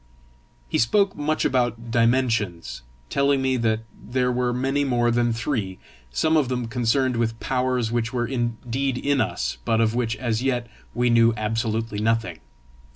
He spoke much about dimensions, telling me that there were many more than three, some of them concerned with powers which were indeed in us, but of which as yet we knew absolutely nothing.